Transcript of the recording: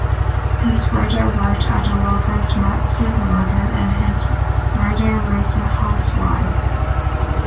His father worked at a local supermarket and his mother was a housewife.